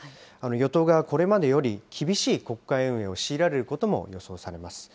与党側、これまでより厳しい国会運営を強いられることも予想されます。